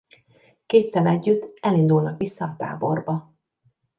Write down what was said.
Kate-tel együtt elindulnak vissza a táborba.